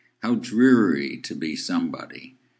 How dreary to be somebody!